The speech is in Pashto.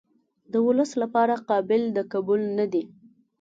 د ولس لپاره قابل د قبول نه دي.